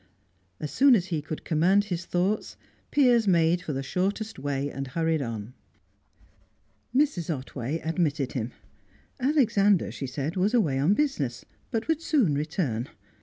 As soon as he could command his thoughts, Piers made for the shortest way, and hurried on. Mrs. Otway admitted him; Alexander, she said, was away on business, but would soon return.